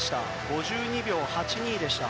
５２秒８２でした。